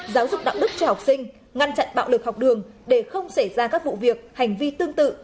giáo dục đạo đức cho học sinh ngăn chặn bạo lực học đường để không xảy ra các vụ việc hành vi tương tự